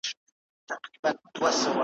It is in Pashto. لکه دی چي د جنګونو قهرمان وي `